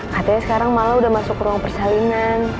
katanya sekarang mala udah masuk ruang persalinan